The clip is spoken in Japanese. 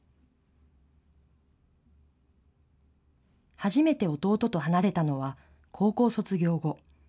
初めて弟と離れたのは高校卒業後。